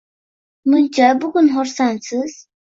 – Muncha bugun xursandsiz?